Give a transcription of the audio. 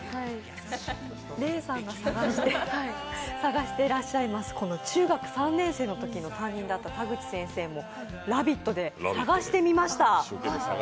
レイさんが探してらっしゃいます中学３年生のときの担任の田口先生も「ラヴィット！」で探してみました。